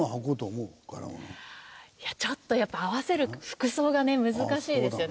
いやちょっとやっぱ合わせる服装が難しいですよね。